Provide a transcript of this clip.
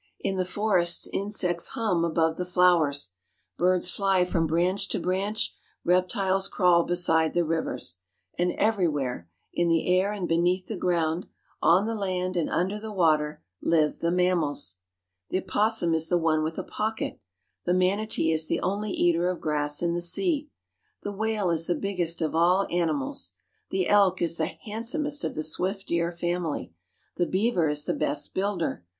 In the forests insects hum above the flowers; birds fly from branch to branch; reptiles crawl beside the rivers. And everywhere—in the air and beneath the ground, on the land and under the water—live the mammals. The opossum is the one with a pocket. The manatee is the only eater of grass in the sea. The whale is the biggest of all animals. The elk is the handsomest of the swift deer family. The beaver is the best builder.